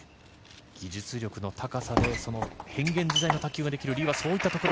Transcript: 技術力の高さで変幻自在の卓球ができる。